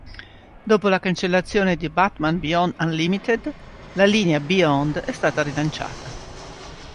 Dopo la cancellazione di "Batman Beyond Unlimited", la linea "Beyond" è stata rilanciata.